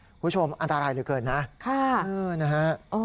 คุณผู้ชมอันตรายเหลือเกินนะค่ะเออนะฮะ